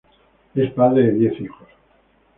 Es padre de diez hijos.